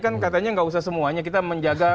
kan katanya nggak usah semuanya kita menjaga